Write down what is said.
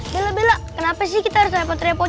bella bela kenapa sih kita harus repot repot